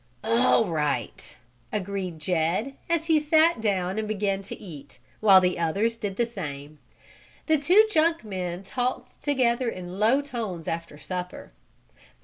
"All right," agreed Jed, as he sat down and began to eat, while the others did the same. The two junk men talked together in low tones after supper.